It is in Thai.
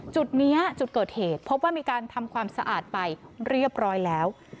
จุดนี้จุดเกิดเหตุพบว่ามีการทำความสะอาดไปเรียบร้อยแล้ว